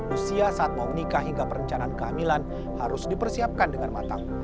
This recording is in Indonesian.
usia saat mau menikah hingga perencanaan kehamilan harus dipersiapkan dengan matang